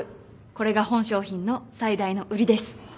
これが本商品の最大の売りです。